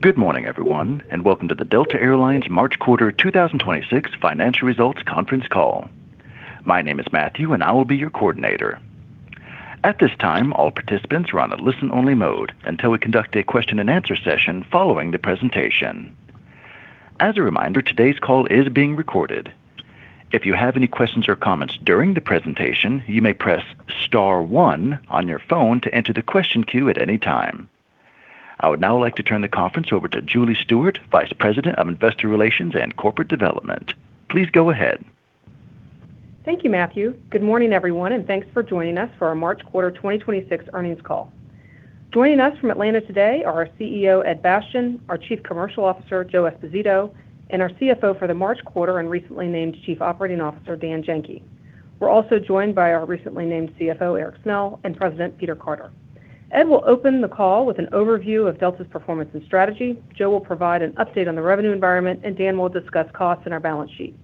Good morning everyone, and welcome to the Delta Air Lines March quarter 2026 financial results conference call. My name is Matthew, and I will be your coordinator. At this time, all participants are on a listen-only mode until we conduct a question-and-answer session following the presentation. As a reminder, today's call is being recorded. If you have any questions or comments during the presentation, you may press star one on your phone to enter the question queue at any time. I would now like to turn the conference over to Julie Stewart, Vice President of Investor Relations and Corporate Development. Please go ahead. Thank you, Matthew. Good morning, everyone, and thanks for joining us for our March quarter 2026 earnings call. Joining us from Atlanta today are our CEO, Ed Bastian, our Chief Commercial Officer, Joe Esposito, and our CFO for the March quarter and recently named Chief Operating Officer, Dan Janki. We're also joined by our recently named CFO, Eric Snell, and President, Peter Carter. Ed will open the call with an overview of Delta's performance and strategy. Joe will provide an update on the revenue environment, and Dan will discuss costs and our balance sheet.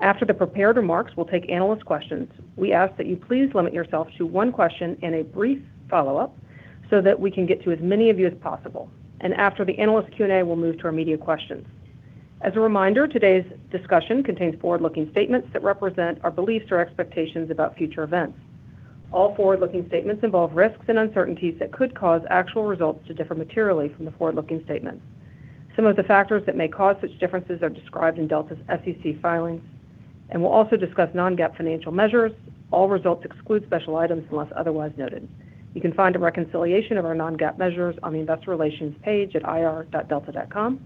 After the prepared remarks, we'll take analyst questions. We ask that you please limit yourself to one question and a brief follow-up so that we can get to as many of you as possible. After the analyst Q&A, we'll move to our media questions. As a reminder, today's discussion contains forward-looking statements that represent our beliefs or expectations about future events. All forward-looking statements involve risks and uncertainties that could cause actual results to differ materially from the forward-looking statements. Some of the factors that may cause such differences are described in Delta's SEC filings, and we'll also discuss non-GAAP financial measures. All results exclude special items unless otherwise noted. You can find a reconciliation of our non-GAAP measures on the investor relations page at ir.delta.com.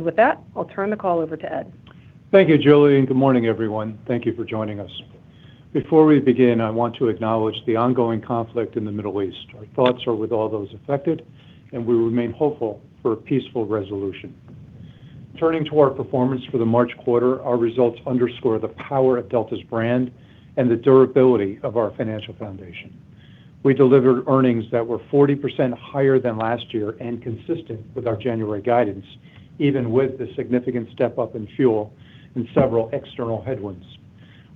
With that, I'll turn the call over to Ed. Thank you, Julie, and good morning, everyone. Thank you for joining us. Before we begin, I want to acknowledge the ongoing conflict in the Middle East. Our thoughts are with all those affected, and we remain hopeful for a peaceful resolution. Turning to our performance for the March quarter, our results underscore the power of Delta's brand and the durability of our financial foundation. We delivered earnings that were 40% higher than last year and consistent with our January guidance, even with the significant step-up in fuel and several external headwinds.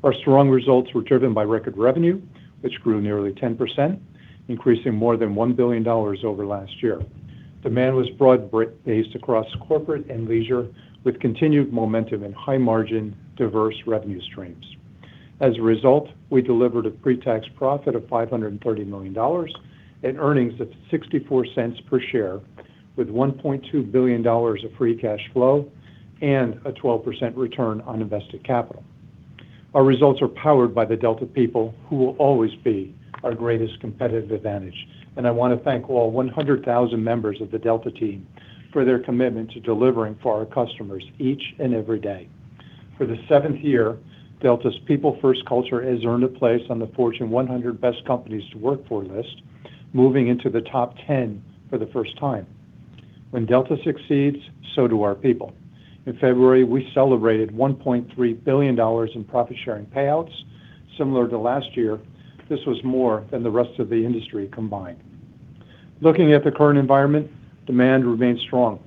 Our strong results were driven by record revenue, which grew nearly 10%, increasing more than $1 billion over last year. Demand was broad-based across corporate and leisure, with continued momentum and high margin diverse revenue streams. As a result, we delivered a pre-tax profit of $530 million and earnings of $0.64 per share with $1.2 billion of free cash flow and a 12% return on invested capital. Our results are powered by the Delta people, who will always be our greatest competitive advantage, and I want to thank all 100,000 members of the Delta team for their commitment to delivering for our customers each and every day. For the seventh year, Delta's people-first culture has earned a place on the Fortune 100 Best Companies to Work For list, moving into the top 10 for the first time. When Delta succeeds, so do our people. In February, we celebrated $1.3 billion in profit-sharing payouts. Similar to last year, this was more than the rest of the industry combined. Looking at the current environment, demand remains strong.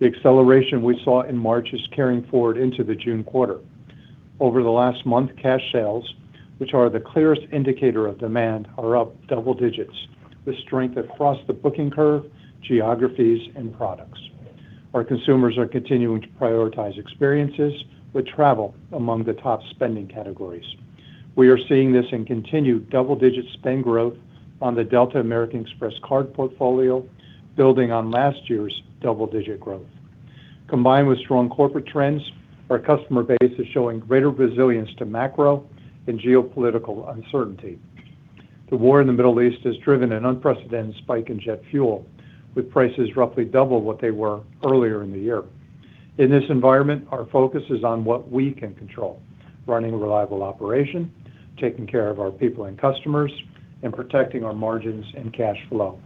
The acceleration we saw in March is carrying forward into the June quarter. Over the last month, cash sales, which are the clearest indicator of demand, are up double digits, with strength across the booking curve, geographies, and products. Our consumers are continuing to prioritize experiences, with travel among the top spending categories. We are seeing this in continued double-digit spend growth on the Delta American Express card portfolio, building on last year's double-digit growth. Combined with strong corporate trends, our customer base is showing greater resilience to macro and geopolitical uncertainty. The war in the Middle East has driven an unprecedented spike in jet fuel, with prices roughly double what they were earlier in the year. In this environment, our focus is on what we can control, running a reliable operation, taking care of our people and customers, and protecting our margins and cash flow.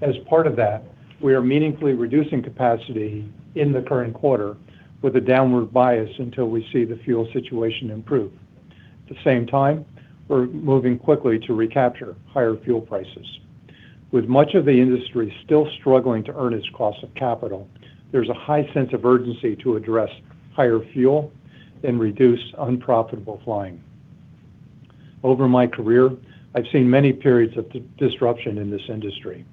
As part of that, we are meaningfully reducing capacity in the current quarter with a downward bias until we see the fuel situation improve. At the same time, we're moving quickly to recapture higher fuel prices. With much of the industry still struggling to earn its cost of capital, there's a high sense of urgency to address higher fuel and reduce unprofitable flying. Over my career, I've seen many periods of disruption in this industry,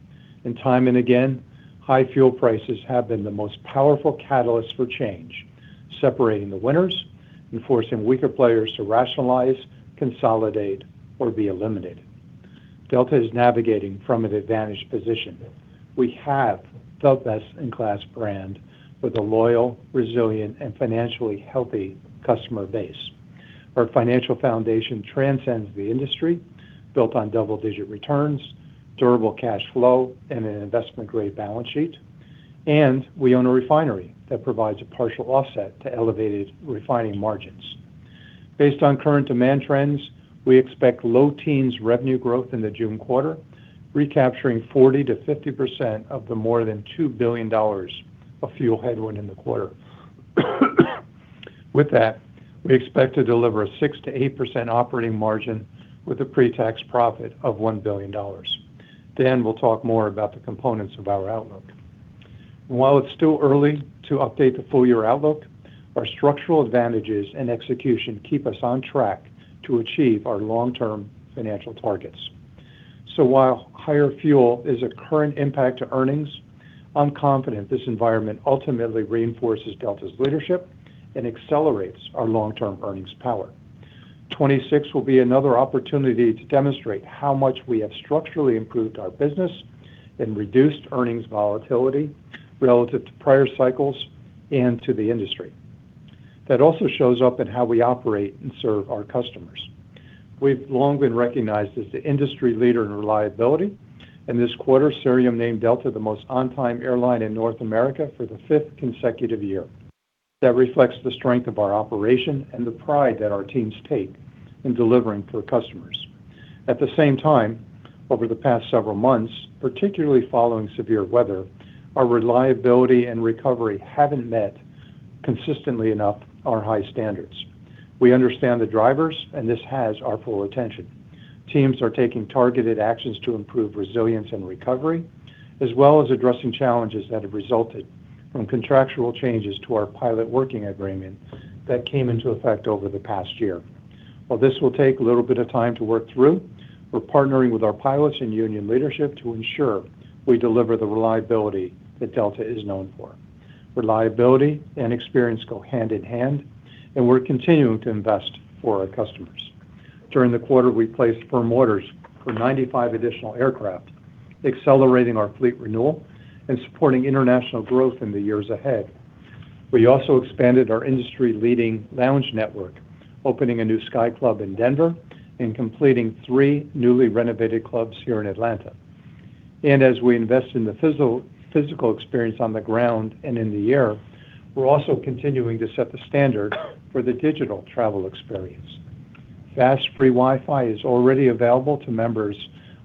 and time and again, high fuel prices have been the most powerful catalyst for change, separating the winners and forcing weaker players to rationalize, consolidate, or be eliminated. Delta is navigating from an advantaged position. We have the best-in-class brand with a loyal, resilient, and financially healthy customer base. Our financial foundation transcends the industry, built on double-digit returns, durable cash flow, and an investment-grade balance sheet. We own a refinery that provides a partial offset to elevated refining margins. Based on current demand trends, we expect low teens revenue growth in the June quarter, recapturing 40%-50% of the more than $2 billion of fuel headwind in the quarter. With that, we expect to deliver a 6%-8% operating margin with a pre-tax profit of $1 billion. Dan will talk more about the components of our outlook. While it's too early to update the full-year outlook, our structural advantages and execution keep us on track to achieve our long-term financial targets. While higher fuel is a current impact to earnings, I'm confident this environment ultimately reinforces Delta's leadership and accelerates our long-term earnings power. 2026 will be another opportunity to demonstrate how much we have structurally improved our business and reduced earnings volatility relative to prior cycles and to the industry. That also shows up in how we operate and serve our customers. We've long been recognized as the industry leader in reliability. In this quarter, Cirium named Delta the most on-time airline in North America for the fifth consecutive year. That reflects the strength of our operation and the pride that our teams take in delivering for customers. At the same time, over the past several months, particularly following severe weather, our reliability and recovery haven't met consistently enough our high standards. We understand the drivers, and this has our full attention. Teams are taking targeted actions to improve resilience and recovery, as well as addressing challenges that have resulted from contractual changes to our pilot working agreement that came into effect over the past year. While this will take a little bit of time to work through, we're partnering with our pilots and union leadership to ensure we deliver the reliability that Delta is known for. Reliability and experience go hand in hand, and we're continuing to invest for our customers. During the quarter, we placed firm orders for 95 additional aircraft, accelerating our fleet renewal and supporting international growth in the years ahead. We also expanded our industry-leading lounge network, opening a new Sky Club in Denver and completing three newly renovated clubs here in Atlanta. As we invest in the physical experience on the ground and in the air, we're also continuing to set the standard for the digital travel experience. Fast, free Wi-Fi is already available to members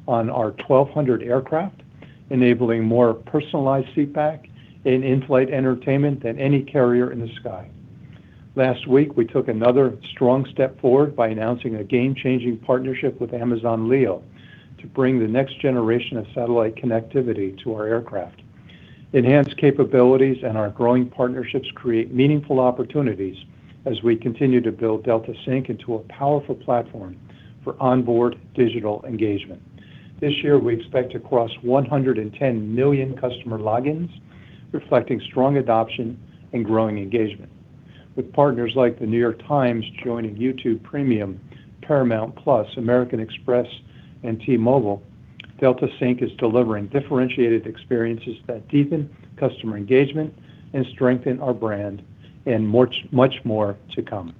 on our 1,200 aircraft, enabling more personalized seat back and in-flight entertainment than any carrier in the sky. Last week, we took another strong step forward by announcing a game-changing partnership with Project Kuiper to bring the next generation of satellite connectivity to our aircraft. Enhanced capabilities and our growing partnerships create meaningful opportunities as we continue to build Delta Sync into a powerful platform for onboard digital engagement. This year, we expect to cross 110 million customer logins, reflecting strong adoption and growing engagement. With partners like The New York Times joining YouTube Premium, Paramount Plus, American Express, and T-Mobile, Delta Sync is delivering differentiated experiences that deepen customer engagement and strengthen our brand, and much more to come.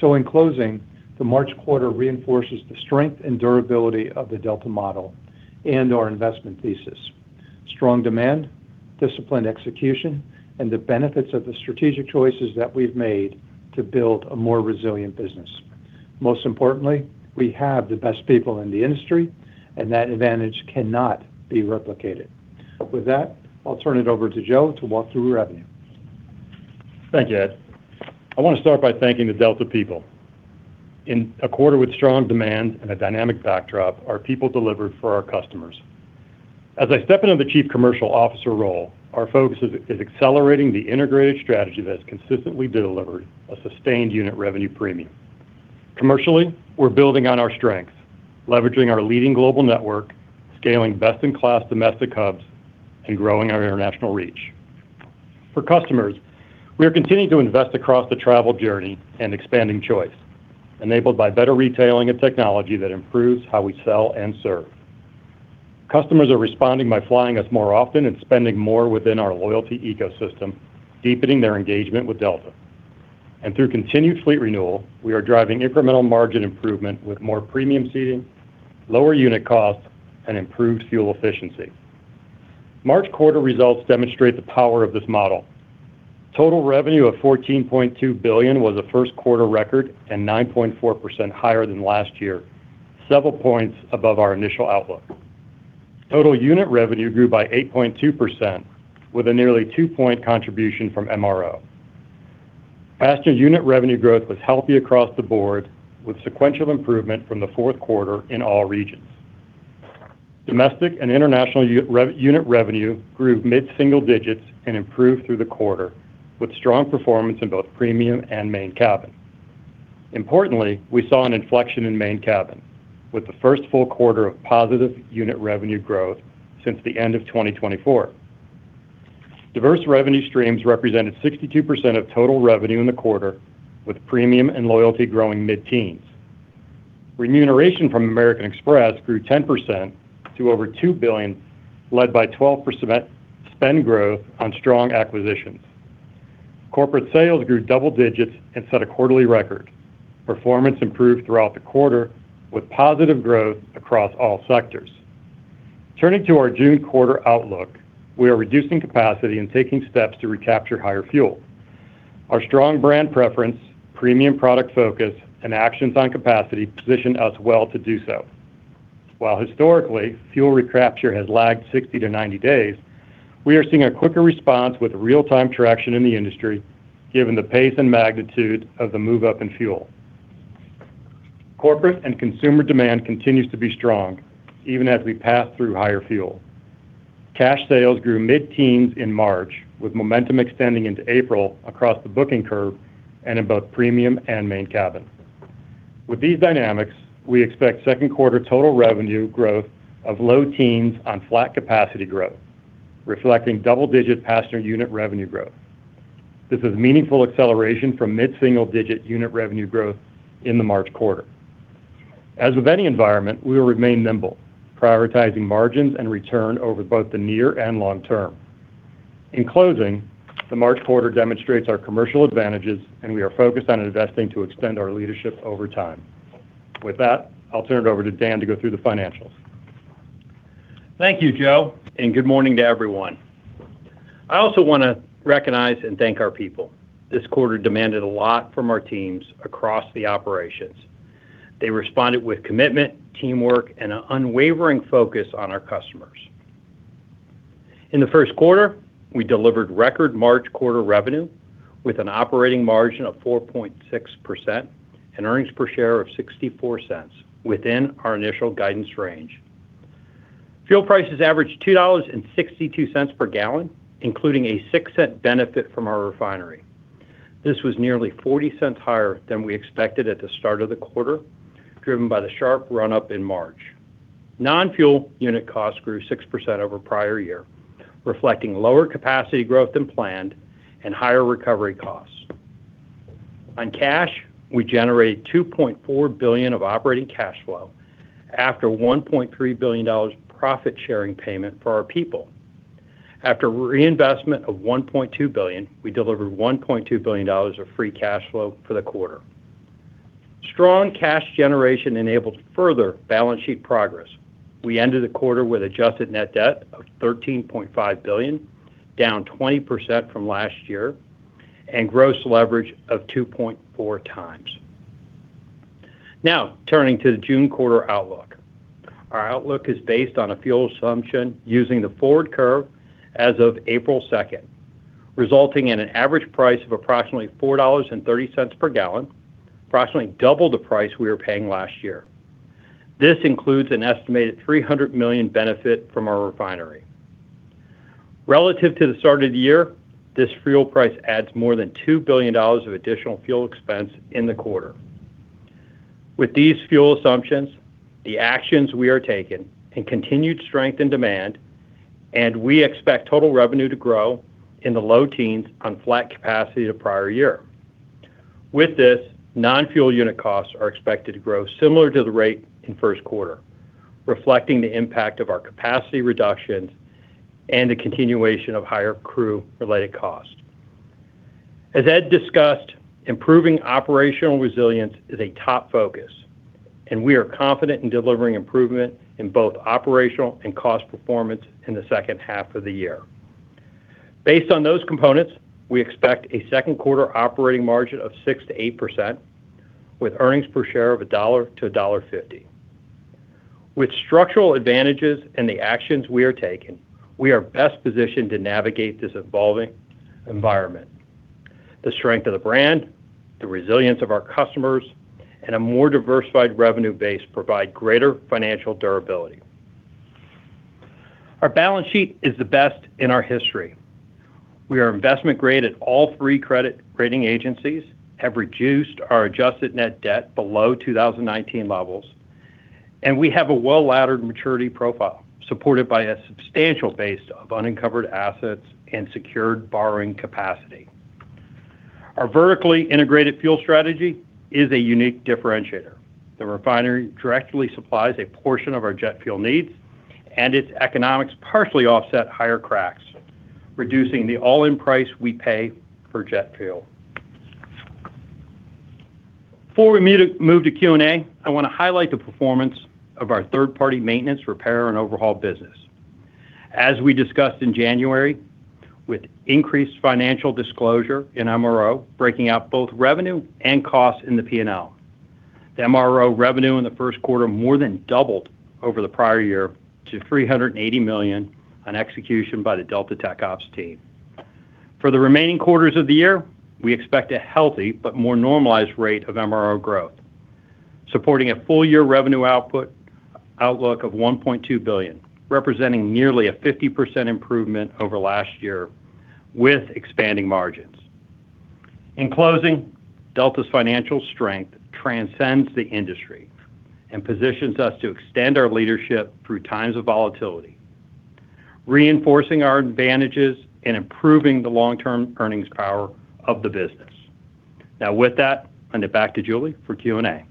In closing, the March quarter reinforces the strength and durability of the Delta model and our investment thesis. Strong demand, disciplined execution, and the benefits of the strategic choices that we've made to build a more resilient business. Most importantly, we have the best people in the industry, and that advantage cannot be replicated. With that, I'll turn it over to Joe to walk through revenue. Thank you, Ed. I want to start by thanking the Delta people. In a quarter with strong demand and a dynamic backdrop, our people delivered for our customers. As I step into the Chief Commercial Officer role, our focus is accelerating the integrated strategy that's consistently delivered a sustained unit revenue premium. Commercially, we're building on our strengths, leveraging our leading global network, scaling best-in-class domestic hubs, and growing our international reach. For customers, we are continuing to invest across the travel journey and expanding choice, enabled by better retailing and technology that improves how we sell and serve. Customers are responding by flying us more often and spending more within our loyalty ecosystem, deepening their engagement with Delta. Through continued fleet renewal, we are driving incremental margin improvement with more premium seating, lower unit costs, and improved fuel efficiency. March quarter results demonstrate the power of this model. Total revenue of $14.2 billion was a first quarter record and 9.4% higher than last year, several points above our initial outlook. Total unit revenue grew by 8.2% with a nearly two-point contribution from MRO. Passenger unit revenue growth was healthy across the board with sequential improvement from the fourth quarter in all regions. Domestic and international unit revenue grew mid-single digits and improved through the quarter with strong performance in both premium and main cabin. Importantly, we saw an inflection in main cabin with the first full quarter of positive unit revenue growth since the end of 2024. Diverse revenue streams represented 62% of total revenue in the quarter, with premium and loyalty growing mid-teens. Remuneration from American Express grew 10% to over $2 billion, led by 12% spend growth on strong acquisitions. Corporate sales grew double digits and set a quarterly record. Performance improved throughout the quarter with positive growth across all sectors. Turning to our June quarter outlook, we are reducing capacity and taking steps to recapture higher fuel. Our strong brand preference, premium product focus, and actions on capacity position us well to do so. While historically, fuel recapture has lagged 60-90 days, we are seeing a quicker response with real-time traction in the industry, given the pace and magnitude of the move up in fuel. Corporate and consumer demand continues to be strong even as we pass through higher fuel. Cash sales grew mid-teens% in March, with momentum extending into April across the booking curve and in both premium and main cabin. With these dynamics, we expect second quarter total revenue growth of low teens% on flat capacity growth, reflecting double-digit passenger unit revenue growth. This is meaningful acceleration from mid-single digit unit revenue growth in the March quarter. As with any environment, we will remain nimble, prioritizing margins and return over both the near and long term. In closing, the March quarter demonstrates our commercial advantages, and we are focused on investing to extend our leadership over time. With that, I'll turn it over to Dan to go through the financials. Thank you, Joe, and good morning to everyone. I also want to recognize and thank our people. This quarter demanded a lot from our teams across the operations. They responded with commitment, teamwork, and an unwavering focus on our customers. In the first quarter, we delivered record March quarter revenue with an operating margin of 4.6% and earnings per share of $0.64 within our initial guidance range. Fuel prices averaged $2.62 per gallon, including a $0.06 benefit from our refinery. This was nearly 40 cents higher than we expected at the start of the quarter, driven by the sharp run-up in March. Non-fuel unit costs grew 6% over prior year, reflecting lower capacity growth than planned and higher recovery costs. On cash, we generated $2.4 billion of operating cash flow after a $1.3 billion profit-sharing payment for our people. After reinvestment of $1.2 billion, we delivered $1.2 billion of free cash flow for the quarter. Strong cash generation enabled further balance sheet progress. We ended the quarter with adjusted net debt of $13.5 billion, down 20% from last year, and gross leverage of 2.4 times. Now, turning to the June quarter outlook. Our outlook is based on a fuel assumption using the forward curve as of April 2nd, resulting in an average price of approximately $4.30 per gallon, approximately double the price we were paying last year. This includes an estimated $300 million benefit from our refinery. Relative to the start of the year, this fuel price adds more than $2 billion of additional fuel expense in the quarter. With these fuel assumptions, the actions we are taking, and continued strength in demand, and we expect total revenue to grow in the low teens on flat capacity to prior year. With this, non-fuel unit costs are expected to grow similar to the rate in first quarter, reflecting the impact of our capacity reductions and the continuation of higher crew-related costs. As Ed discussed, improving operational resilience is a top focus, and we are confident in delivering improvement in both operational and cost performance in the second half of the year. Based on those components, we expect a second quarter operating margin of 6%-8% with earnings per share of $1-$1.50. With structural advantages and the actions we are taking, we are best positioned to navigate this evolving environment. The strength of the brand, the resilience of our customers, and a more diversified revenue base provide greater financial durability. Our balance sheet is the best in our history. We are investment grade at all three credit rating agencies, have reduced our adjusted net debt below 2019 levels, and we have a well-laddered maturity profile supported by a substantial base of unencumbered assets and secured borrowing capacity. Our vertically integrated fuel strategy is a unique differentiator. The refinery directly supplies a portion of our jet fuel needs, and its economics partially offset higher cracks, reducing the all-in price we pay for jet fuel. Before we move to Q&A, I want to highlight the performance of our third-party maintenance, repair, and overhaul business. As we discussed in January, with increased financial disclosure in MRO, breaking out both revenue and costs in the P&L. The MRO revenue in the first quarter more than doubled over the prior year to $380 million on execution by the Delta TechOps team. For the remaining quarters of the year, we expect a healthy but more normalized rate of MRO growth, supporting a full year revenue outlook of $1.2 billion, representing nearly a 50% improvement over last year with expanding margins. In closing, Delta's financial strength transcends the industry and positions us to extend our leadership through times of volatility, reinforcing our advantages and improving the long-term earnings power of the business. Now, with that, I'll hand it back to Julie for Q&A.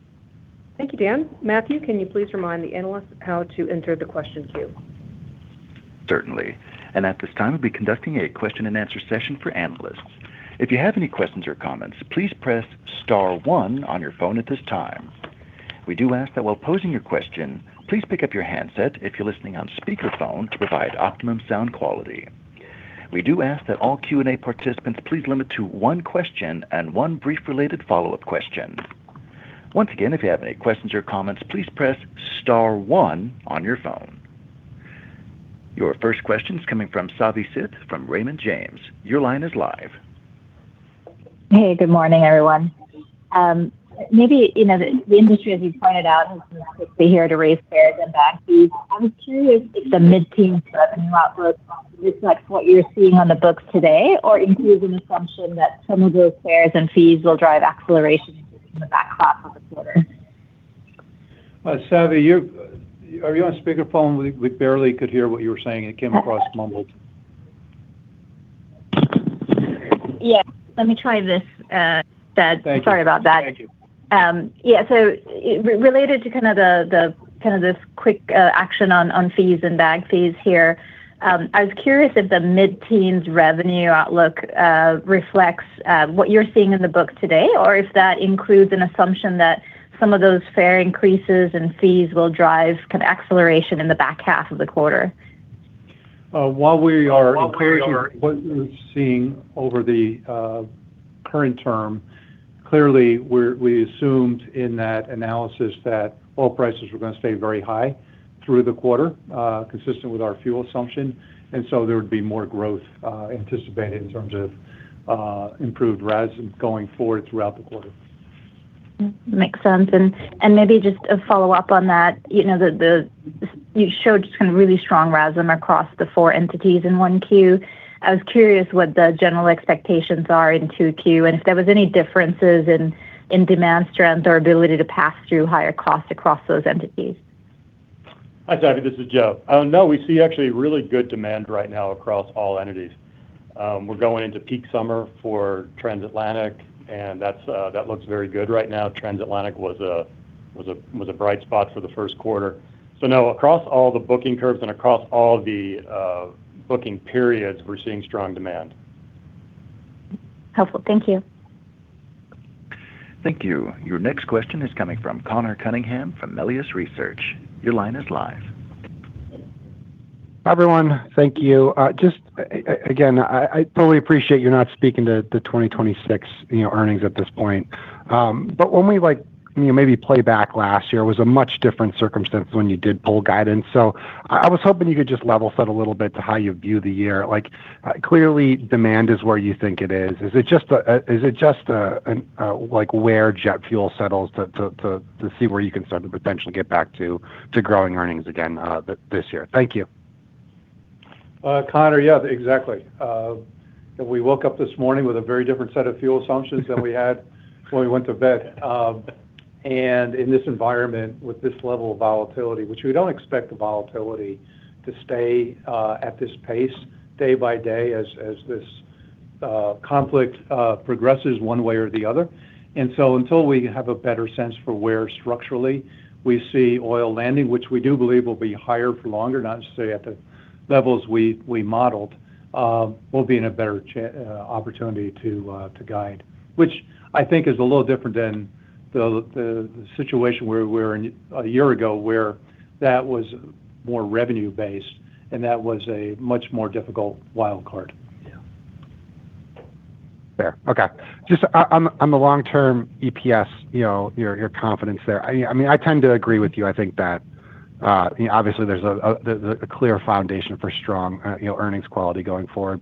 Thank you, Dan. Matthew, can you please remind the analysts how to enter the question queue? Certainly. At this time, we'll be conducting a question and answer session for analysts. If you have any questions or comments, please press *1 on your phone at this time. We do ask that while posing your question, please pick up your handset if you're listening on speakerphone to provide optimum sound quality. We do ask that all Q&A participants please limit to one question and one brief related follow-up question. Once again, if you have any questions or comments, please press *1 on your phone. Your first question is coming from Savi Syth from Raymond James. Your line is live. Hey, good morning, everyone. Maybe, the industry, as you pointed out, has been quick to raise fares and bag fees. I'm curious if the mid-teen revenue outlook reflects what you're seeing on the books today, or includes an assumption that some of those fares and fees will drive acceleration in the back half of the quarter? Savi, are you on speakerphone? We barely could hear what you were saying. It came across mumbled. Yeah. Let me try this, Ed. Thank you. Sorry about that. Thank you. Yeah. Related to this quick action on fees and bag fees here, I was curious if the mid-teens revenue outlook reflects what you're seeing in the book today, or if that includes an assumption that some of those fare increases and fees will drive acceleration in the back half of the quarter? What we're seeing over the current term, clearly we assumed in that analysis that oil prices were going to stay very high through the quarter, consistent with our fuel assumption. There would be more growth anticipated in terms of improved RASM going forward throughout the quarter. Makes sense. Maybe just a follow-up on that. You showed just really strong RASM across the four entities in Q1. I was curious what the general expectations are in Q2, and if there was any differences in demand strength or ability to pass through higher costs across those entities. Hi, Savi, this is Joe. No, we see actually really good demand right now across all entities. We're going into peak summer for transatlantic, and that looks very good right now. Transatlantic was a bright spot for the first quarter. No, across all the booking curves and across all the booking periods, we're seeing strong demand. Helpful. Thank you. Thank you. Your next question is coming from Conor Cunningham from Melius Research. Your line is live. Hi, everyone. Thank you. Just again, I totally appreciate you're not speaking to the 2026 earnings at this point. When we maybe play back last year, it was a much different circumstance when you did pull guidance. I was hoping you could just level set a little bit to how you view the year. Clearly, demand is where you think it is. Is it just where jet fuel settles to see where you can start to potentially get back to growing earnings again this year? Thank you. Conor, yeah, exactly. We woke up this morning with a very different set of fuel assumptions than we had when we went to bed. In this environment, with this level of volatility, which we don't expect the volatility to stay at this pace day by day as this conflict progresses one way or the other. Until we have a better sense for where structurally we see oil landing, which we do believe will be higher for longer, not necessarily at the levels we modeled, we'll be in a better opportunity to guide. Which I think is a little different than the situation we were in a year ago where that was more revenue-based, and that was a much more difficult wild card. Yeah. Fair. Okay. Just on the long-term EPS, your confidence there. I mean, I tend to agree with you. I think that obviously there's a clear foundation for strong earnings quality going forward.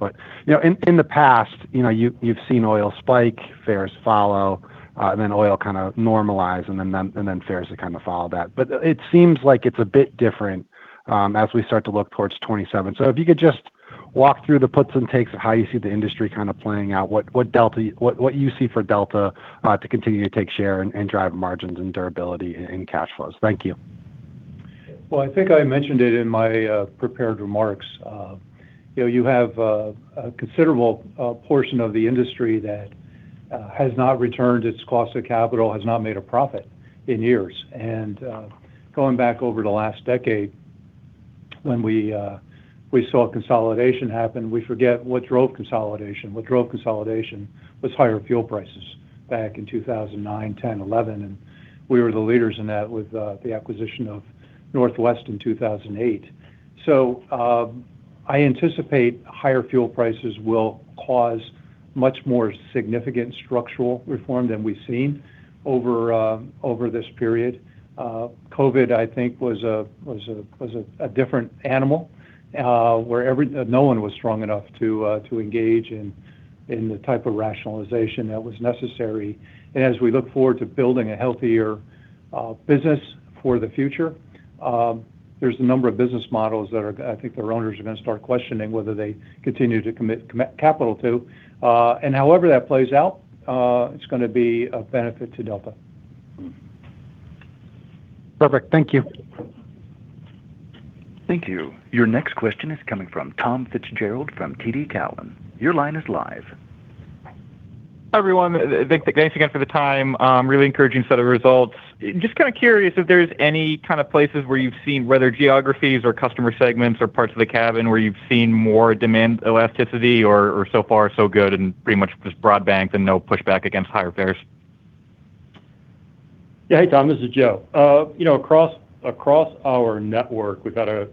In the past, you've seen oil spike, fares follow, and then oil kind of normalize, and then fares kind of follow that. It seems like it's a bit different as we start to look towards 2027. If you could just walk through the puts and takes of how you see the industry playing out, what you see for Delta to continue to take share and drive margins and durability in cash flows. Thank you. Well, I think I mentioned it in my prepared remarks. You have a considerable portion of the industry that has not returned its cost of capital, has not made a profit in years. Going back over the last decade when we saw consolidation happen, we forget what drove consolidation. What drove consolidation was higher fuel prices back in 2009, 2010, 2011, and we were the leaders in that with the acquisition of Northwest in 2008. I anticipate higher fuel prices will cause much more significant structural reform than we've seen over this period. COVID, I think, was a different animal, where no one was strong enough to engage in the type of rationalization that was necessary. As we look forward to building a healthier business for the future, there's a number of business models that I think their owners are going to start questioning whether they continue to commit capital to. However that plays out, it's going to be of benefit to Delta. Perfect. Thank you. Thank you. Your next question is coming from Tom Fitzgerald from TD Cowen. Your line is live. Hi, everyone. Thanks again for the time. Really encouraging set of results. Just kind of curious if there's any places where you've seen, whether geographies or customer segments or parts of the cabin, where you've seen more demand elasticity or so far so good and pretty much just broad-based and no pushback against higher fares? Yeah. Hey, Tom, this is Joe. Across our network, we've got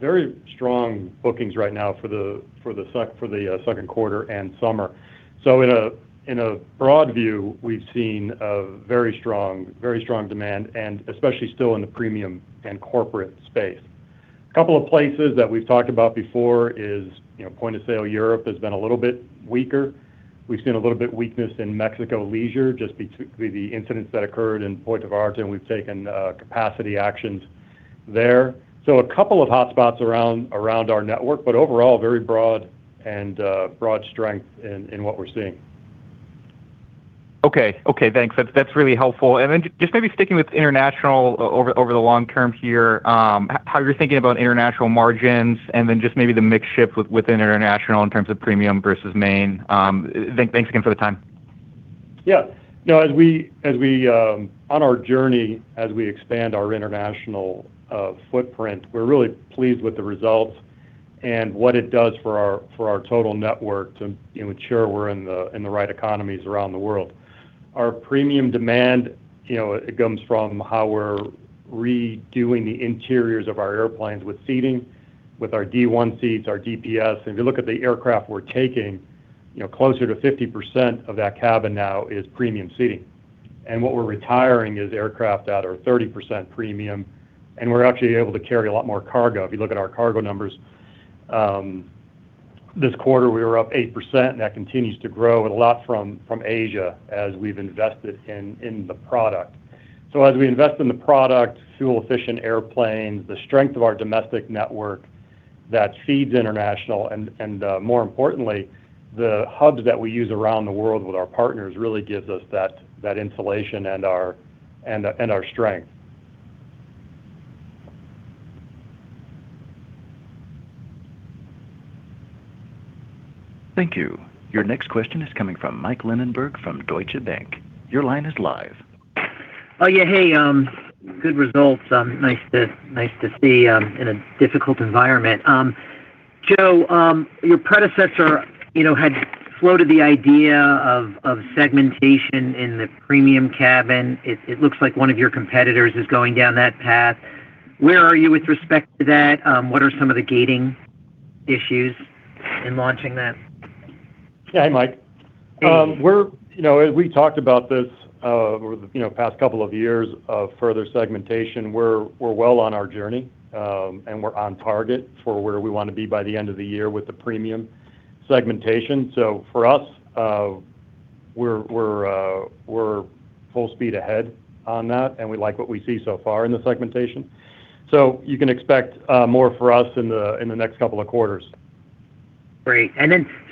very strong bookings right now for the second quarter and summer. In a broad view, we've seen very strong demand, and especially still in the premium and corporate space. A couple of places that we've talked about before is point of sale Europe has been a little bit weaker. We've seen a little bit weakness in Mexico leisure, just the incidents that occurred in Puerto Vallarta, and we've taken capacity actions there. A couple of hotspots around our network, but overall, very broad and broad strength in what we're seeing. Okay. Thanks. That's really helpful. Just maybe sticking with international over the long term here, how you're thinking about international margins and then just maybe the mix shift within international in terms of premium versus main? Thanks again for the time. Yeah. On our journey, as we expand our international footprint, we're really pleased with the results and what it does for our total network to ensure we're in the right economies around the world. Our premium demand, it comes from how we're redoing the interiors of our airplanes with seating, with our D1 seats, our DPS. If you look at the aircraft we're taking, closer to 50% of that cabin now is premium seating. What we're retiring is aircraft that are 30% premium, and we're actually able to carry a lot more cargo. If you look at our cargo numbers, this quarter, we were up 8%, and that continues to grow, and a lot from Asia as we've invested in the product. As we invest in the product, fuel-efficient airplanes, the strength of our domestic network that feeds international, and more importantly, the hubs that we use around the world with our partners really gives us that insulation and our strength. Thank you. Your next question is coming from Michael Linenberg from Deutsche Bank. Your line is live. Oh, yeah. Hey. Good results. Nice to see in a difficult environment. Joe, your predecessor had floated the idea of segmentation in the premium cabin. It looks like one of your competitors is going down that path. Where are you with respect to that? What are some of the gating issues in launching that? Yeah. Hey, Mike. Hey. We talked about this over the past couple of years of further segmentation. We're well on our journey, and we're on target for where we want to be by the end of the year with the premium segmentation. For us, we're full speed ahead on that, and we like what we see so far in the segmentation. You can expect more from us in the next couple of quarters. Great.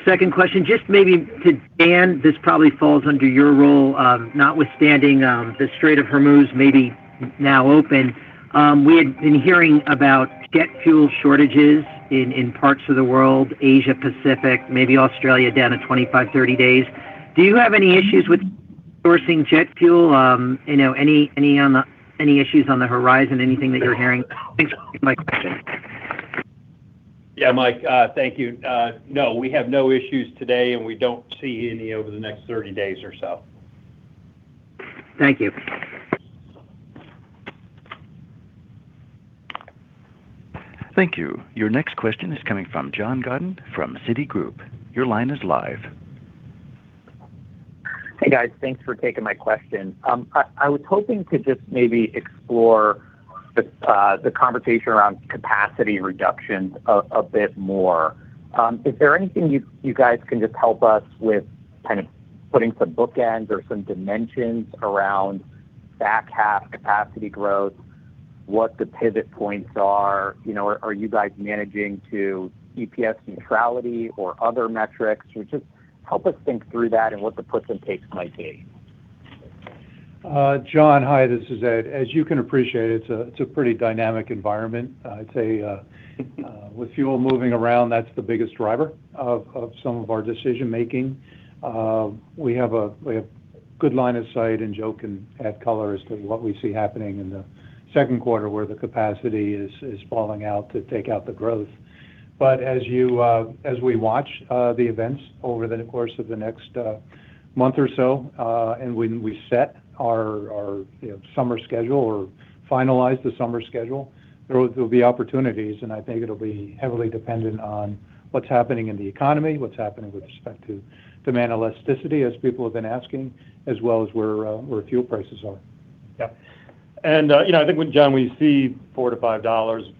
Second question, just maybe to Dan, this probably falls under your role. Notwithstanding the Strait of Hormuz may be now open, we had been hearing about jet fuel shortages in parts of the world, Asia, Pacific, maybe Australia down to 25, 30 days. Do you have any issues with sourcing jet fuel? Any issues on the horizon? Anything that you're hearing? Thanks for taking my question. Yeah, Mike. Thank you. No, we have no issues today, and we don't see any over the next 30 days or so. Thank you. Thank you. Your next question is coming from Jon Gordon from Citigroup. Your line is live. Hey, guys. Thanks for taking my question. I was hoping to just maybe explore the conversation around capacity reductions a bit more. Is there anything you guys can just help us with kind of putting some bookends or some dimensions around back half capacity growth, what the pivot points are? Are you guys managing to EPS neutrality or other metrics? Just help us think through that and what the puts and takes might be. Jon, hi. This is Ed. As you can appreciate, it's a pretty dynamic environment. I'd say with fuel moving around, that's the biggest driver of some of our decision-making. We have a good line of sight, and Joe can add color as to what we see happening in the second quarter where the capacity is falling out to take out the growth. As we watch the events over the course of the next month or so, and when we set our summer schedule or finalize the summer schedule, there will be opportunities, and I think it'll be heavily dependent on what's happening in the economy, what's happening with respect to demand elasticity, as people have been asking, as well as where fuel prices are. Yeah. I think when, John, we see $4-$5,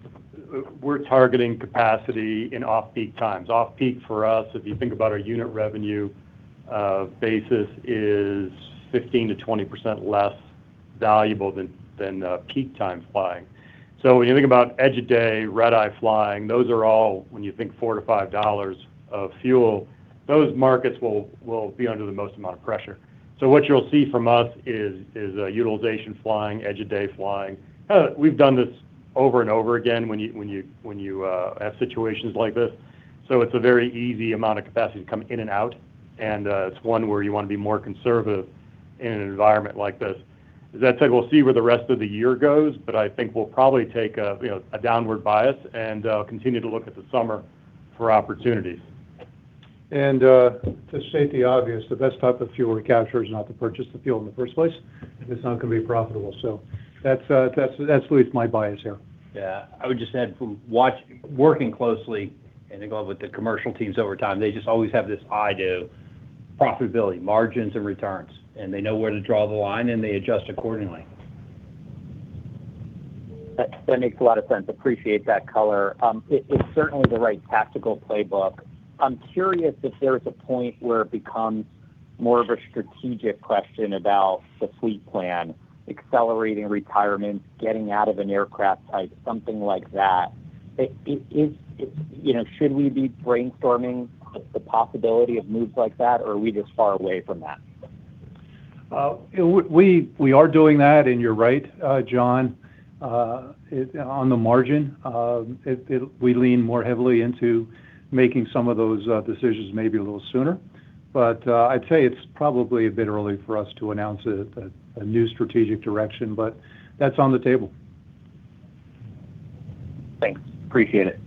we're targeting capacity in off-peak times. Off-peak for us, if you think about our unit revenue basis, is 15%-20% less valuable than peak time flying. When you think about edge of day, red-eye flying, those are all when you think $4-$5 of fuel, those markets will be under the most amount of pressure. What you'll see from us is utilization flying, edge of day flying. We've done this over and over again when you have situations like this. It's a very easy amount of capacity to come in and out, and it's one where you want to be more conservative in an environment like this. As I said, we'll see where the rest of the year goes, but I think we'll probably take a downward bias and continue to look at the summer for opportunities. To state the obvious, the best type of fuel recapture is not to purchase the fuel in the first place if it's not going to be profitable. That's at least my bias here. Yeah. I would just add from working closely, and again, with the commercial teams over time, they just always have this idea, profitability, margins and returns, and they know where to draw the line and they adjust accordingly. That makes a lot of sense. Appreciate that color. It's certainly the right tactical playbook. I'm curious if there's a point where it becomes more of a strategic question about the fleet plan, accelerating retirement, getting out of an aircraft type, something like that. Should we be brainstorming the possibility of moves like that, or are we just far away from that? We are doing that, and you're right, Jon. On the margin, we lean more heavily into making some of those decisions maybe a little sooner. I'd say it's probably a bit early for us to announce a new strategic direction, but that's on the table. Thanks. Appreciate it.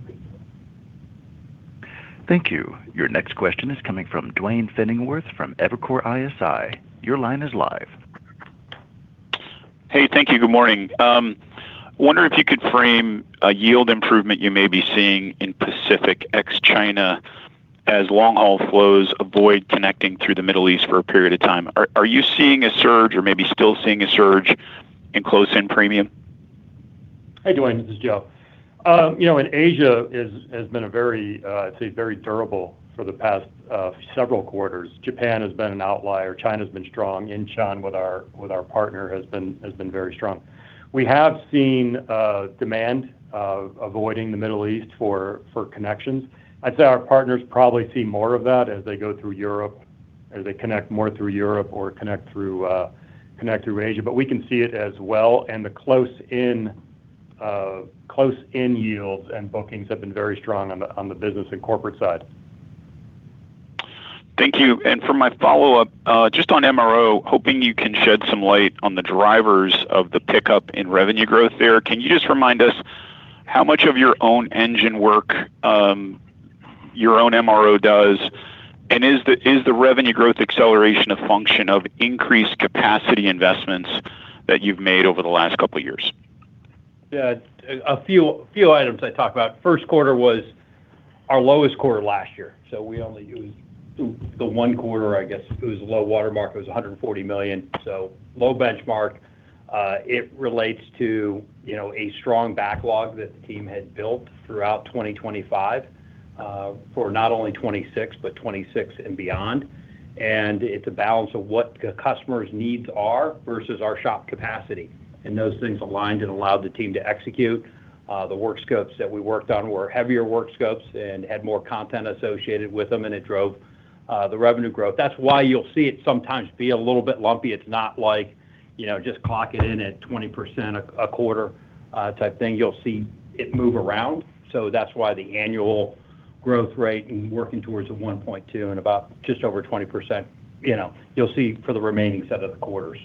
Thank you. Your next question is coming from Duane Pfennigwerth from Evercore ISI. Your line is live. Hey, thank you. Good morning. Wondering if you could frame a yield improvement you may be seeing in Pacific ex-China as long-haul flows avoid connecting through the Middle East for a period of time? Are you seeing a surge or maybe still seeing a surge in close-in premium? Hey, Duane, this is Joe. Asia has been very durable for the past several quarters. Japan has been an outlier. China's been strong. Incheon with our partner has been very strong. We have seen demand avoiding the Middle East for connections. I'd say our partners probably see more of that as they go through Europe, as they connect more through Europe or connect through Asia. But we can see it as well, and the close-in yields and bookings have been very strong on the business and corporate side. Thank you. For my follow-up, just on MRO, hoping you can shed some light on the drivers of the pickup in revenue growth there. Can you just remind us how much of your own engine work your own MRO does? Is the revenue growth acceleration a function of increased capacity investments that you've made over the last couple of years? Yeah. A few items I talk about. First quarter was our lowest quarter last year. It was the one quarter, I guess, it was a low watermark. It was $140 million. Low benchmark. It relates to a strong backlog that the team had built throughout 2025, for not only 2026, but 2026 and beyond. It's a balance of what the customers' needs are versus our shop capacity. Those things aligned and allowed the team to execute. The work scopes that we worked on were heavier work scopes and had more content associated with them, and it drove the revenue growth. That's why you'll see it sometimes be a little bit lumpy. It's not like, just clock it in at 20% a quarter type thing. You'll see it move around. That's why the annual growth rate and working towards a 12 and about just over 20%, you'll see for the remaining set of the quarters.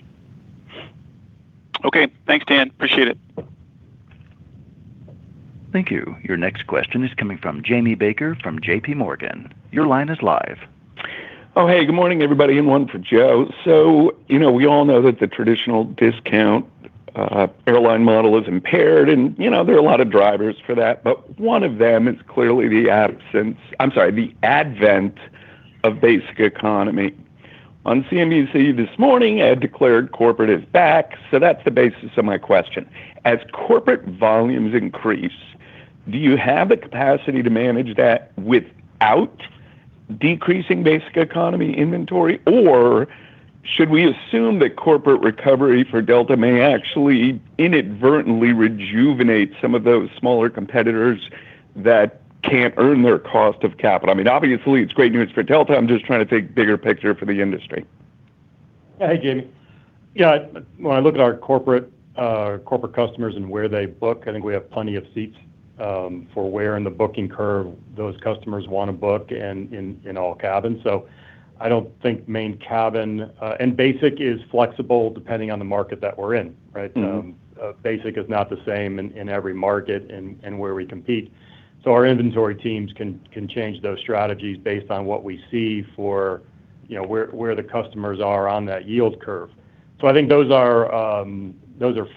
Okay. Thanks, Dan. Appreciate it. Thank you. Your next question is coming from Jamie Baker from JPMorgan. Your line is live. Oh, hey, good morning, everybody, and one for Joe. We all know that the traditional discount airline model is impaired, and there are a lot of drivers for that. One of them is clearly the advent of basic economy. On CNBC this morning, Ed declared corporate is back. That's the basis of my question. As corporate volumes increase, do you have the capacity to manage that without decreasing basic economy inventory? Or should we assume that corporate recovery for Delta may actually inadvertently rejuvenate some of those smaller competitors that can't earn their cost of capital? I mean, obviously it's great news for Delta. I'm just trying to take bigger picture for the industry. Hey, Jamie. Yeah. When I look at our corporate customers and where they book, I think we have plenty of seats for where in the booking curve those customers want to book and in all cabins. I don't think main cabin basic is flexible depending on the market that we're in, right? Mm-hmm. Basic is not the same in every market and where we compete. Our inventory teams can change those strategies based on what we see for where the customers are on that yield curve. I think those are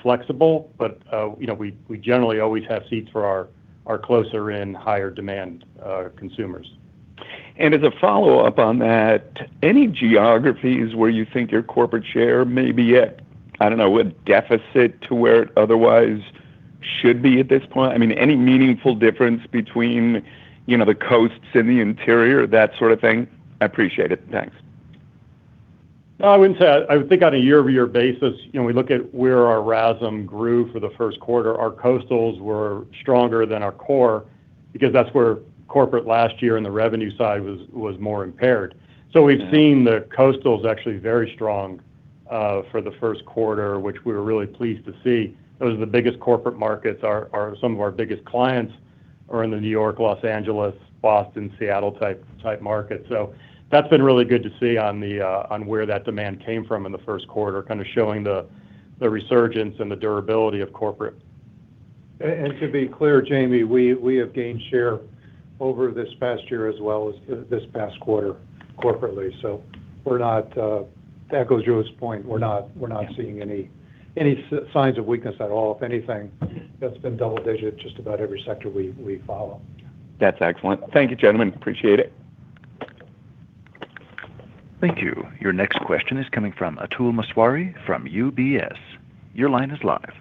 flexible, but we generally always have seats for our closer-in, higher-demand consumers. As a follow-up on that, any geographies where you think your corporate share may be at, I don't know, a deficit to where it otherwise should be at this point? I mean, any meaningful difference between the coasts and the interior, that sort of thing? I appreciate it. Thanks. No, I wouldn't say that. I would think on a year-over-year basis, we look at where our RASM grew for the first quarter. Our coastals were stronger than our core because that's where corporate last year in the revenue side was more impaired. Yeah. We've seen the coastals actually very strong for the first quarter, which we were really pleased to see. Those are the biggest corporate markets. Some of our biggest clients are in the New York, Los Angeles, Boston, Seattle type markets. That's been really good to see on where that demand came from in the first quarter, kind of showing the resurgence and the durability of corporate. To be clear, Jamie, we have gained share over this past year as well as this past quarter corporately. We're not. That goes to Joe's point. We're not seeing any signs of weakness at all. If anything, that's been double-digit, just about every sector we follow. That's excellent. Thank you, gentlemen. Appreciate it. Thank you. Your next question is coming from Atul Maheswari from UBS. Your line is live.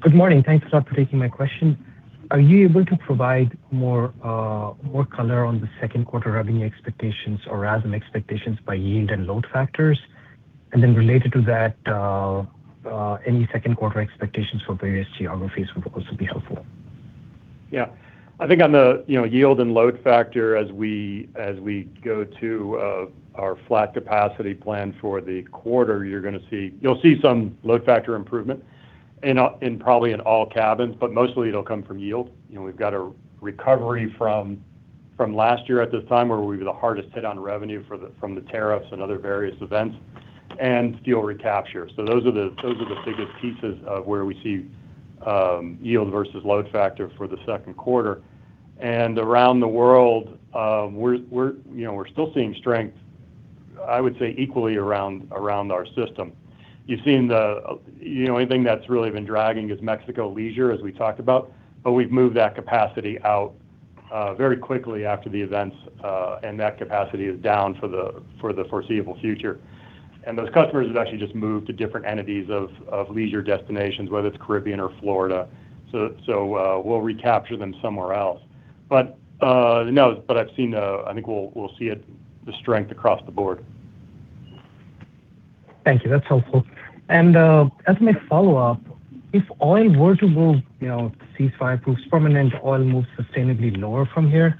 Good morning. Thanks a lot for taking my question. Are you able to provide more color on the second quarter revenue expectations or RASM expectations by yield and load factors? Related to that, any second quarter expectations for various geographies would also be helpful. Yeah. I think on the yield and load factor as we go to our flat capacity plan for the quarter, you're going to see some load factor improvement probably in all cabins, but mostly it'll come from yield. We've got a recovery from last year at this time where we were the hardest hit on revenue from the tariffs and other various events, and fuel recapture. Those are the biggest pieces of where we see yield versus load factor for the second quarter. Around the world, we're still seeing strength, I would say, equally around our system. The only thing that's really been dragging is Mexico leisure, as we talked about, but we've moved that capacity out very quickly after the events, and that capacity is down for the foreseeable future. Those customers have actually just moved to different itineraries to leisure destinations, whether it's Caribbean or Florida. We'll recapture them somewhere else. No, I think we'll see the strength across the board. Thank you. That's helpful. As my follow-up, if oil were to move, if the ceasefire proves permanent, oil moves sustainably lower from here,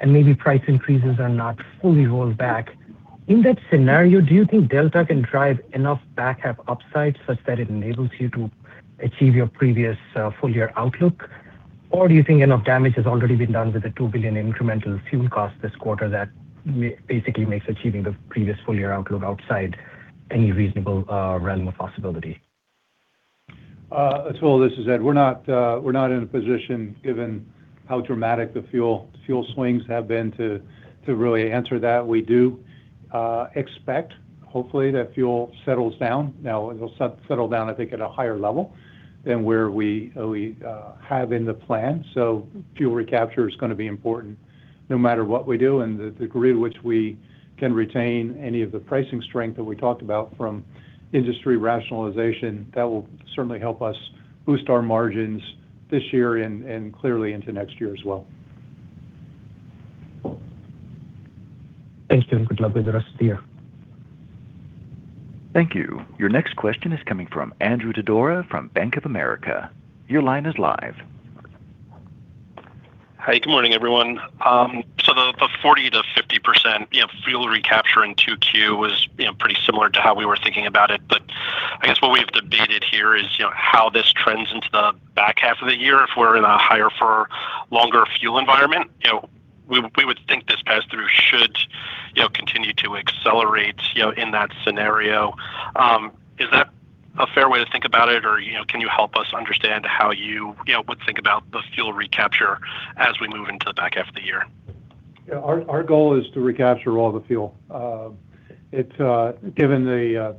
and maybe price increases are not fully rolled back. In that scenario, do you think Delta can drive enough back half upside such that it enables you to achieve your previous full-year outlook? Or do you think enough damage has already been done with the $2 billion incremental fuel cost this quarter that basically makes achieving the previous full-year outlook outside any reasonable realm of possibility? Atul, this is Ed. We're not in a position given how dramatic the fuel swings have been to really answer that. We do expect, hopefully, that fuel settles down. Now, it'll settle down, I think, at a higher level than where we have in the plan. Fuel recapture is going to be important no matter what we do, and the degree to which we can retain any of the pricing strength that we talked about from industry rationalization, that will certainly help us boost our margins this year and clearly into next year as well. Thanks, gentlemen. Good luck with the rest of the year. Thank you. Your next question is coming from Andrew Didora from Bank of America. Your line is live. Hi, good morning, everyone. The 40%-50% fuel recapture in Q2 was pretty similar to how we were thinking about it. I guess what we've debated here is how this trends into the back half of the year if we're in a higher for longer fuel environment. We would think this pass-through should continue to accelerate in that scenario. Is that a fair way to think about it? Or can you help us understand how you would think about the fuel recapture as we move into the back half of the year? Yeah, our goal is to recapture all the fuel. Given the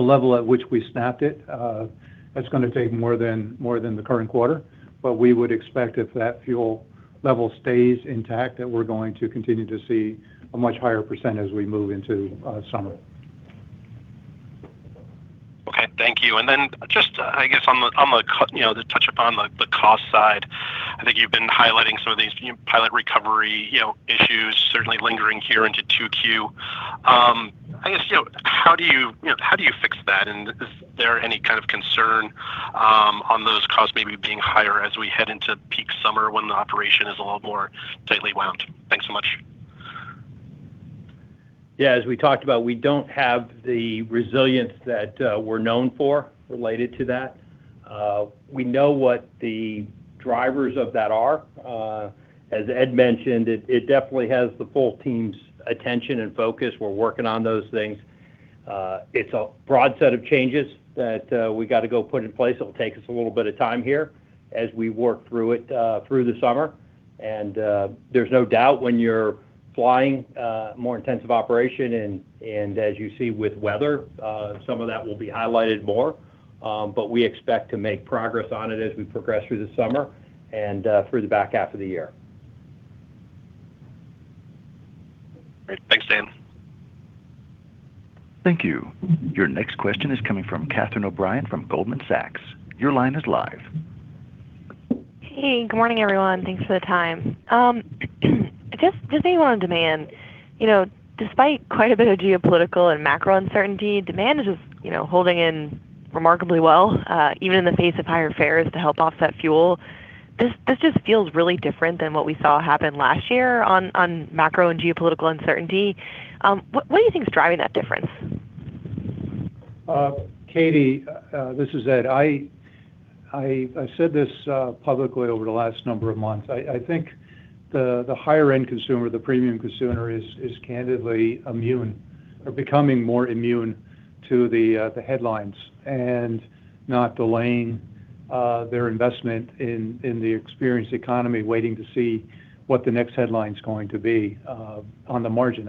level at which we snapped it, that's going to take more than the current quarter. We would expect if that fuel level stays intact, that we're going to continue to see a much higher percent as we move into summer. Okay. Thank you. Just, I guess, to touch upon the cost side, I think you've been highlighting some of these pilot recovery issues certainly lingering here into Q2. How do you fix that and is there any kind of concern on those costs maybe being higher as we head into peak summer when the operation is a lot more tightly wound? Thanks so much. Yeah, as we talked about, we don't have the resilience that we're known for related to that. We know what the drivers of that are. As Ed mentioned, it definitely has the full team's attention and focus. We're working on those things. It's a broad set of changes that we got to go put in place. It'll take us a little bit of time here as we work through it through the summer. There's no doubt when you're flying a more intensive operation and as you see with weather, some of that will be highlighted more. We expect to make progress on it as we progress through the summer and through the back half of the year. Great. Thanks, Dan. Thank you. Your next question is coming from Catherine O'Brien from Goldman Sachs. Your line is live. Hey, good morning, everyone. Thanks for the time. Just maybe on demand. Despite quite a bit of geopolitical and macro uncertainty, demand is just holding in remarkably well, even in the face of higher fares to help offset fuel. This just feels really different than what we saw happen last year on macro and geopolitical uncertainty. What do you think is driving that difference? Catherine, this is Ed. I said this publicly over the last number of months. I think the higher-end consumer, the premium consumer is candidly immune or becoming more immune to the headlines and not delaying their investment in the experience economy, waiting to see what the next headline's going to be on the margin.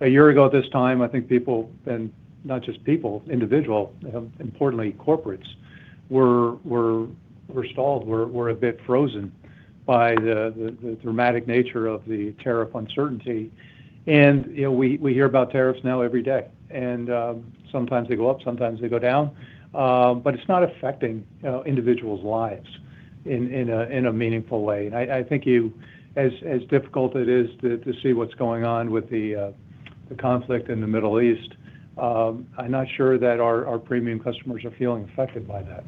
A year ago at this time, I think people, and not just people, individual, importantly, corporates, were stalled, were a bit frozen by the dramatic nature of the tariff uncertainty. We hear about tariffs now every day. Sometimes they go up, sometimes they go down, but it's not affecting individuals' lives in a meaningful way. I think as difficult it is to see what's going on with the conflict in the Middle East, I'm not sure that our premium customers are feeling affected by that.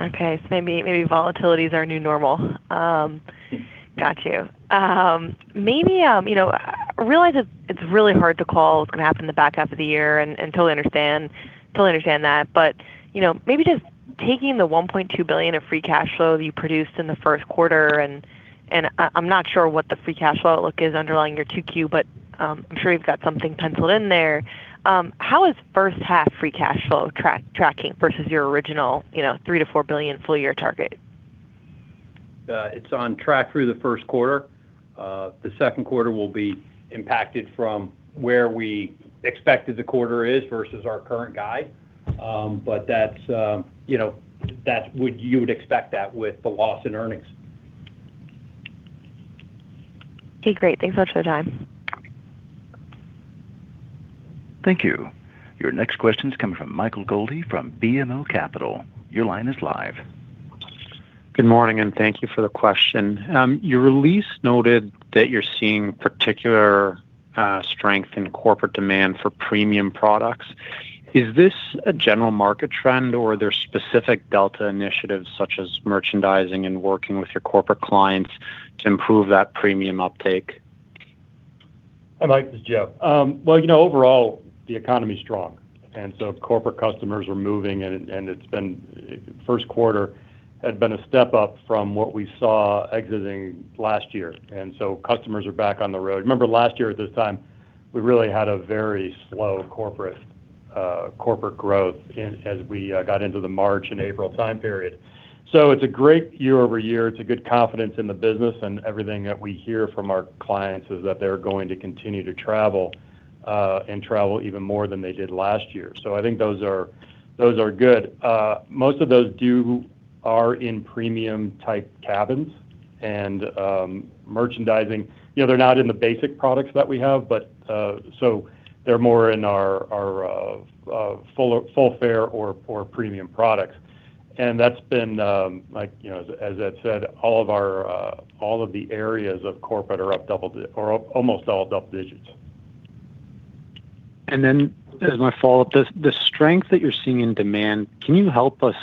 Okay. Maybe volatility is our new normal. Got you. I realize it's really hard to call what's going to happen in the back half of the year and totally understand that, but maybe just taking the $1.2 billion of free cash flow that you produced in the first quarter, and I'm not sure what the free cash flow outlook is underlying your Q2, but I'm sure you've got something penciled in there. How is first half free cash flow tracking versus your original $3 billion-$4 billion full year target? It's on track through the first quarter. The second quarter will be impacted from where we expected the quarter is versus our current guide. You would expect that with the loss in earnings. Okay, great. Thanks so much for the time. Thank you. Your next question is coming from Michael Goldie from BMO Capital. Your line is live. Good morning, and thank you for the question. Your release noted that you're seeing particular strength in corporate demand for premium products. Is this a general market trend or are there specific Delta initiatives such as merchandising and working with your corporate clients to improve that premium uptake? Hi, Mike. This is Joe. Well, overall, the economy is strong, and so corporate customers are moving, and first quarter had been a step up from what we saw exiting last year. Customers are back on the road. Remember last year at this time, we really had a very slow corporate growth as we got into the March and April time period. It's a great year-over-year. It's a good confidence in the business and everything that we hear from our clients is that they're going to continue to travel, and travel even more than they did last year. I think those are good. Most of those are in premium-type cabins and merchandising. They're not in the basic products that we have, so they're more in our full fare or premium products. That's been, as Ed said, all of the areas of corporate are up almost all double digits. As my follow-up, the strength that you're seeing in demand, can you help us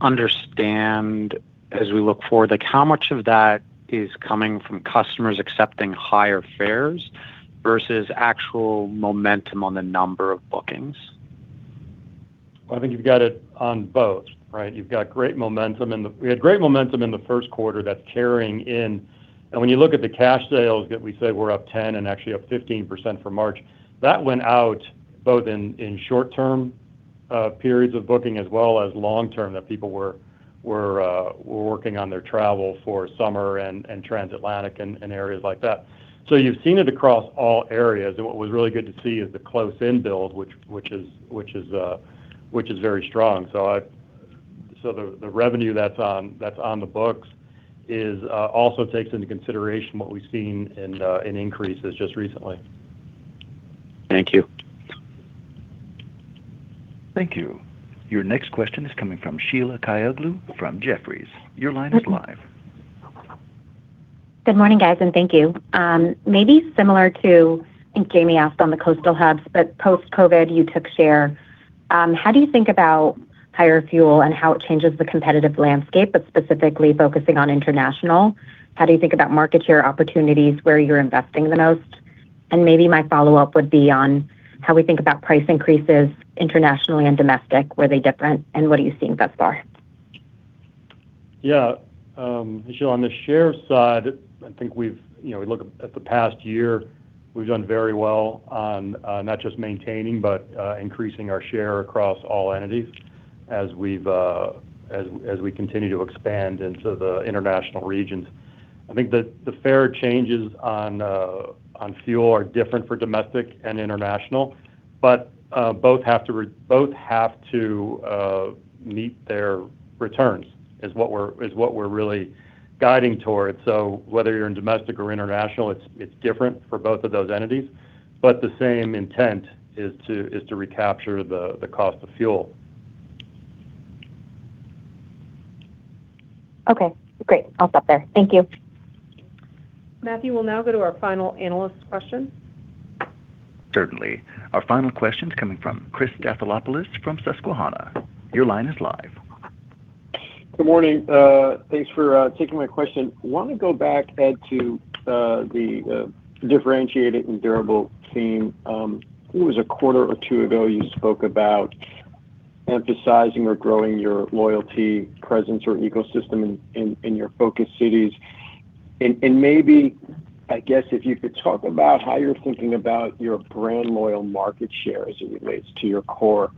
understand as we look forward, how much of that is coming from customers accepting higher fares versus actual momentum on the number of bookings? Well, I think you've got it on both, right? We had great momentum in the first quarter that's carrying in. When you look at the cash sales that we say were up 10% and actually up 15% for March, that went out both in short-term periods of booking as well as long-term that people were working on their travel for summer and transatlantic and areas like that. You've seen it across all areas, and what was really good to see is the close-in build which is very strong. The revenue that's on the books also takes into consideration what we've seen in increases just recently. Thank you. Thank you. Your next question is coming from Sheila Kahyaoglu from Jefferies. Your line is live. Good morning, guys, and thank you. Maybe similar to, I think Jamie asked on the coastal hubs, but post-COVID you took share. How do you think about higher fuel and how it changes the competitive landscape, but specifically focusing on international? How do you think about market share opportunities where you're investing the most? Maybe my follow-up would be on how we think about price increases internationally and domestic. Were they different, and what are you seeing thus far? Yeah. Sheila, on the share side, I think we look at the past year, we've done very well on not just maintaining but increasing our share across all entities as we continue to expand into the international regions. I think the fare changes on fuel are different for domestic and international, but both have to meet their returns is what we're really guiding towards. Whether you're in domestic or international, it's different for both of those entities, but the same intent is to recapture the cost of fuel. Okay, great. I'll stop there. Thank you. Matthew, we'll now go to our final analyst question. Certainly. Our final question's coming from Christopher Stathoulopoulos from Susquehanna. Your line is live. Good morning. Thanks for taking my question. I want to go back, Ed, to the differentiated and durable theme. I think it was a quarter or two ago, you spoke about emphasizing or growing your loyalty presence or ecosystem in your focus cities. Maybe, I guess if you could talk about how you're thinking about your brand loyal market share as it relates to your core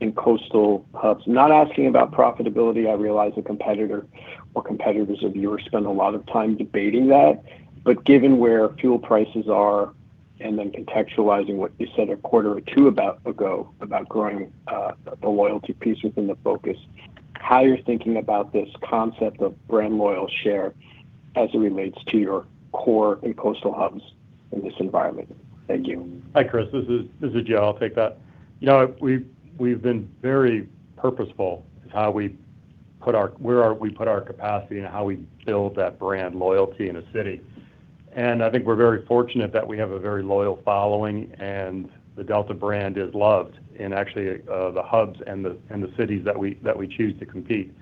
and coastal hubs. Not asking about profitability. I realize a competitor or competitors of yours spend a lot of time debating that, but given where fuel prices are and then contextualizing what you said a quarter or two ago about growing the loyalty piece within the focus, how you're thinking about this concept of brand loyal share as it relates to your core and coastal hubs in this environment. Thank you. Hi, Chris. This is Ed. I'll take that. We've been very purposeful where we put our capacity and how we build that brand loyalty in a city. I think we're very fortunate that we have a very loyal following and the Delta brand is loved in actually the hubs and the cities that we choose to compete.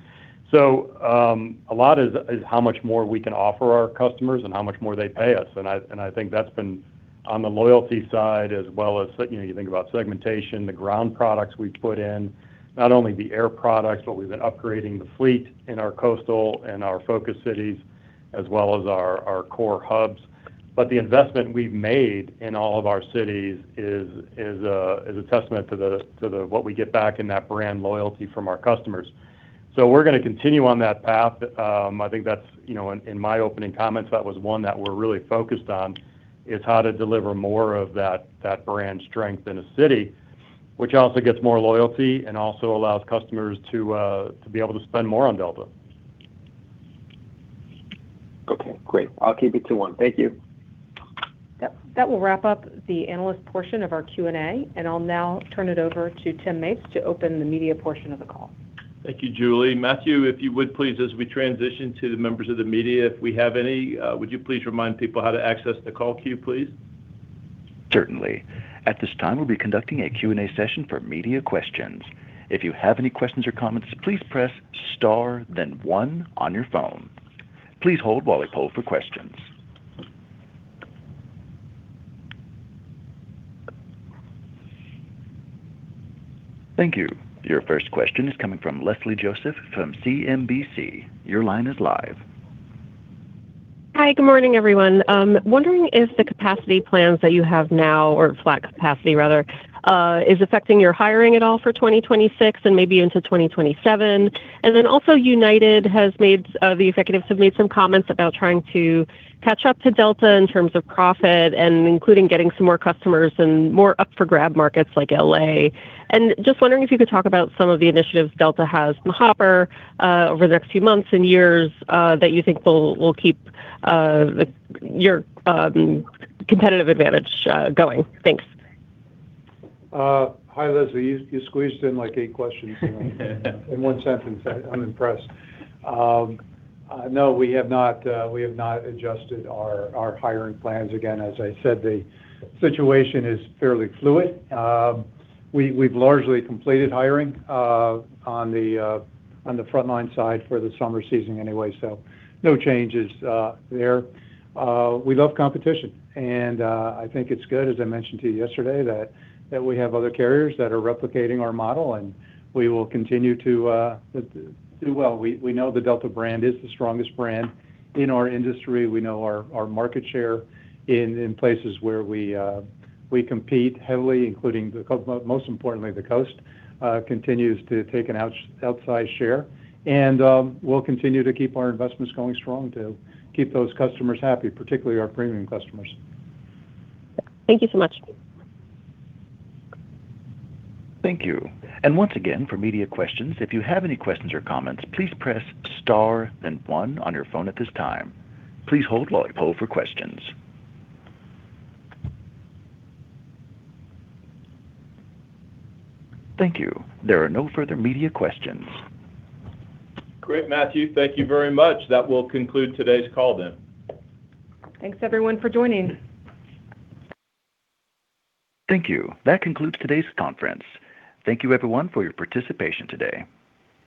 A lot is how much more we can offer our customers and how much more they pay us. I think that's been on the loyalty side as well as you think about segmentation, the ground products we've put in, not only the air products, but we've been upgrading the fleet in our coastal and our focus cities as well as our core hubs. The investment we've made in all of our cities is a testament to what we get back in that brand loyalty from our customers. We're going to continue on that path. In my opening comments, that was one that we're really focused on, is how to deliver more of that brand strength in a city, which also gets more loyalty and also allows customers to be able to spend more on Delta. Okay, great. I'll keep it to one. Thank you. That will wrap up the analyst portion of our Q&A, and I'll now turn it over to Tim Mapes to open the media portion of the call. Thank you, Julie. Matthew, if you would please, as we transition to the members of the media, if we have any, would you please remind people how to access the call queue, please? Certainly. At this time, we'll be conducting a Q&A session for media questions. If you have any questions or comments, please press star then one on your phone. Please hold while I poll for questions. Thank you. Your first question is coming from Leslie Josephs from CNBC. Your line is live. Hi, good morning, everyone. I'm wondering if the capacity plans that you have now, or flat capacity rather, is affecting your hiring at all for 2026 and maybe into 2027. United, the executives have made some comments about trying to catch up to Delta in terms of profit and including getting some more customers and more up-for-grab markets like L.A. Just wondering if you could talk about some of the initiatives Delta has on offer over the next few months and years that you think will keep your competitive advantage going. Thanks. Hi, Leslie. You squeezed in like eight questions in one sentence. I'm impressed. No, we have not adjusted our hiring plans. Again, as I said, the situation is fairly fluid. We've largely completed hiring on the frontline side for the summer season anyway, so no changes there. We love competition and I think it's good, as I mentioned to you yesterday, that we have other carriers that are replicating our model, and we will continue to do well. We know the Delta brand is the strongest brand in our industry. We know our market share in places where we compete heavily, including most importantly, the coast, continues to take an outsized share. We'll continue to keep our investments going strong to keep those customers happy, particularly our premium customers. Thank you so much. Thank you. Once again, for media questions, if you have any questions or comments, please press star then one on your phone at this time. Please hold while I poll for questions. Thank you. There are no further media questions. Great, Matthew. Thank you very much. That will conclude today's call then. Thanks everyone for joining. Thank you. That concludes today's conference. Thank you everyone for your participation today.